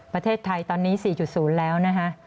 ประเทศไทยตอนนี้๔๐แล้วนะคะ